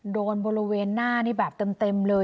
บริเวณหน้านี่แบบเต็มเลย